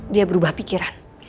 dia berubah pikiran